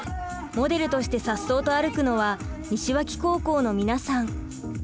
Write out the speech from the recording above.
モデルとしてさっそうと歩くのは西脇高校の皆さん。